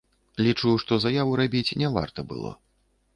Лічу, што заяву рабіць не варта было.